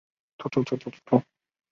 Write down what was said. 起草小组由胡乔木负责。